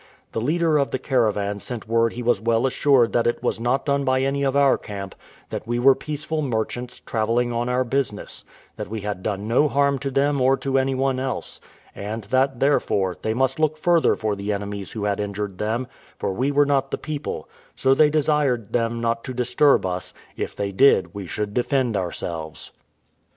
The leader of the caravan sent word he was well assured that it was not done by any of our camp; that we were peaceful merchants, travelling on our business; that we had done no harm to them or to any one else; and that, therefore, they must look further for the enemies who had injured them, for we were not the people; so they desired them not to disturb us, for if they did we should defend ourselves.